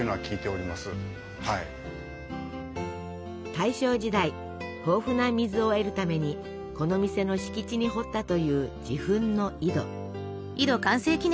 大正時代豊富な水を得るためにこの店の敷地に掘ったという自噴の井戸。